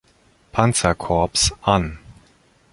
Panzerkorps an.